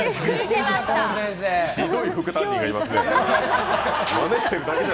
ひどい副担任がいますね。